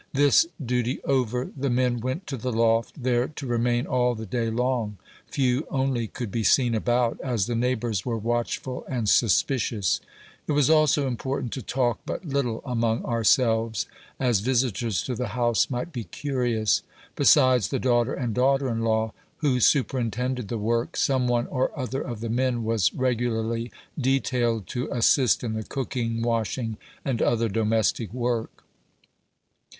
This duty over, the men went to the loft, there to remain all the day long ; few only could be seen about, as the neighbors were watchful and suspicious. It was also important to talk but little among ourselves, as visitors to the house might be curious. Besides the daughter and daughter in law, who su perintended the work, some one or other of the men was reg ularly detailed to assist in the cooking, washing, and other domestic work.